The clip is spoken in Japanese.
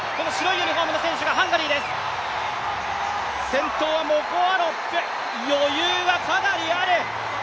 先頭はモコ・アロップ、余裕がかなりある。